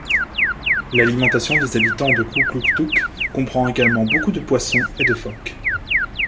L'alimentation des habitants de Kugluktuk comprend également beaucoup de poissons et de phoques.